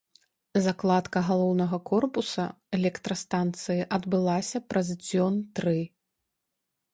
Закладка галоўнага корпуса электрастанцыі адбылася праз дзён тры.